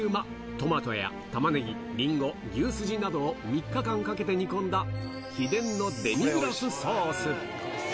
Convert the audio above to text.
トマトやタマネギ、リンゴ、牛筋などを３日間かけて煮込んだ、秘伝のデミグラスソース。